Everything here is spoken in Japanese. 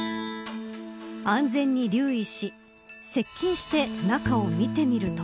安全に留意し、接近して中を見てみると。